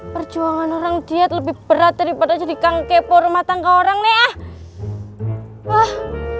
perjuangan orang diet lebih berat daripada jadi kangepoh rumah tangga orang nih ah